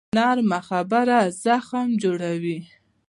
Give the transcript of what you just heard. نرمه خبره زخم جوړوي